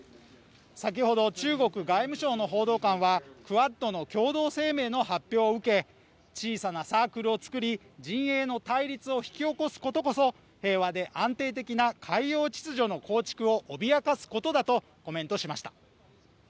先ほど中国外務省の報道官はクアッドの共同声明の発表を受け小さなサークルを作り、陣営の対立を引き起こすことこそ平和で安定的な海洋秩序の構築を脅かすことだとコメントしました。